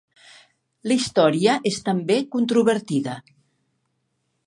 La historia és també controvertida.